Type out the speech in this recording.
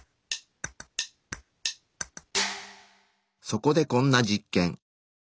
そこでこんな実験。